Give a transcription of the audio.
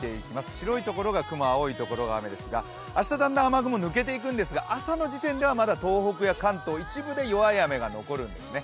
白いところが雲青いところが雨ですが明日だんだん雨雲抜けていくんですが朝の時点ではまだ東北や関東一部で弱い雨が残るんですね。